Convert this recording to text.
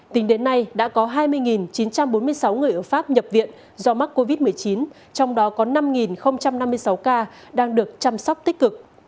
tính đến nay đã có hai mươi chín trăm bốn mươi sáu người ở pháp nhập viện do mắc covid một mươi chín trong đó có năm năm mươi sáu ca đang được chăm sóc tích cực